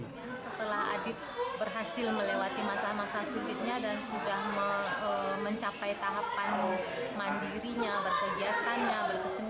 setelah adit berhasil melewati masa masa sulitnya dan sudah mencapai tahapan mandirinya berkegiatannya berkeseniannya